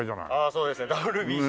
そうですねＷＢＣ。